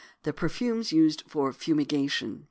THE PERFUMES USED FOR FUMIGATION.